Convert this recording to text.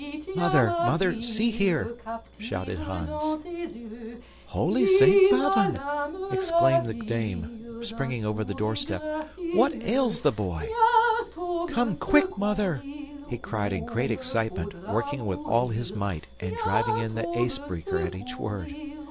"Mother! Mother! See here!" shouted Hans. "Holy Saint Bavon!" exclaimed the dame, springing over the doorstep. "What ails the boy!" "Come quick, Mother," he cried in great excitement, working with all his might and driving in the ysbreeker at each word.